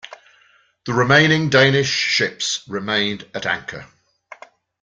The remaining Danish ships remained at anchor.